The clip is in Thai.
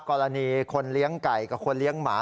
กรณีคนเลี้ยงไก่กับคนเลี้ยงหมา